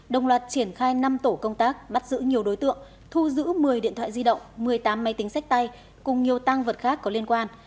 đồng loạt triển khai năm tổ công tác bắt giữ nhiều đối tượng thu giữ một mươi điện thoại di động một mươi tám máy tính sách tay cùng nhiều tăng vật khác có liên quan